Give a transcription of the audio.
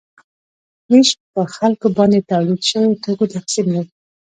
ویش په خلکو باندې د تولید شویو توکو تقسیم دی.